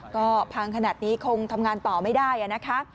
ก็พังขนาดนี้คงทำงานต่อไม่ได้นะคะ